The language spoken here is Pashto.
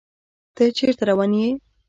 ته چيرته روان يې